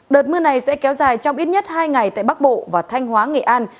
đợt mưa này sẽ kéo dài trong ít nhất hai ngày tại bắc bộ và thanh hóa nghệ an